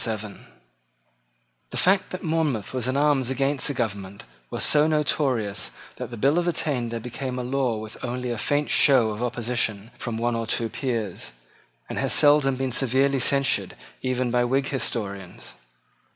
The fact that Monmouth was in arms against the government was so notorious that the bill of attainder became a law with only a faint show of opposition from one or two peers, and has seldom been severely censured even by Whig historians.